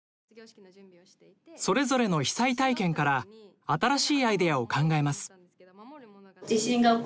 それぞれの被災体験から新しいアイデアを考えます。